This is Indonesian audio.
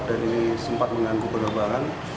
dan ini sempat menganggup pergabangan